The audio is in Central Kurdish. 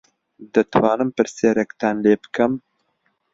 دەتوانم پرسیارێکتان لێ بکەم؟